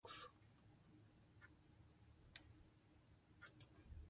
It flows through the valleys of the Pakaraima Mountains for most of its length.